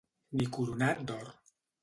Ni coronat d'or.